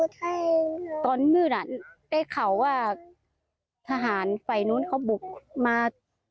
ตอนมืดอ่ะฉันข่าวทหารไปนู้นเขาบุบมา